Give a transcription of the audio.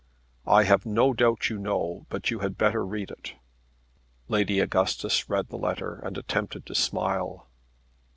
"I have no doubt you know, but you had better read it." Lady Augustus read the letter and attempted to smile.